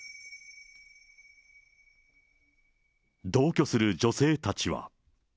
同居する女性たちは。